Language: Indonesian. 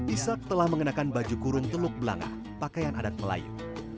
ishak telah mengenakan baju kurun teluk belangah pakaian adat melayu